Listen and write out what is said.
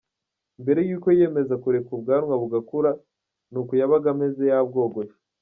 Mbere y’uko yiyemeza kureka ubwanwa bugakura ni uku yabaga ameze yabwogoshe.